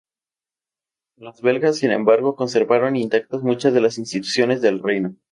Los belgas, sin embargo, conservaron intactas muchas de las instituciones del reino.